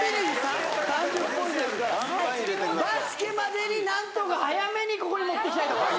バスケまでに何とか早めにここに持ってきたいところ。